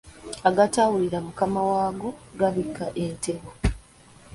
Agatawulira Mukama waago gabikka entembo.